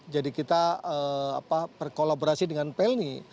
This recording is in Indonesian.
jadi kita apa berkolaborasi dengan pelni